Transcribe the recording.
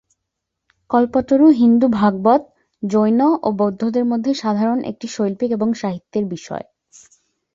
কল্পতরু হিন্দু ভাগবত, জৈন ও বৌদ্ধদের মধ্যে সাধারণ একটি শৈল্পিক এবং সাহিত্যের বিষয়।